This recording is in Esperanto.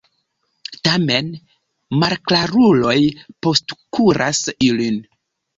Tamen, malklaruloj postkuras ilin.